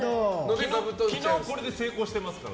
昨日、これで成功してますから。